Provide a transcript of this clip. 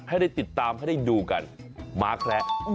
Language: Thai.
ให้ได้ติดตามให้ได้ดูกันม้าแคระ